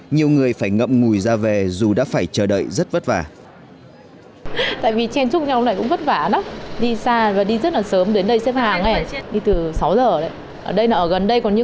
nhiều người phải ngậm ngùi ra về dù đã phải chờ đợi rất vất vả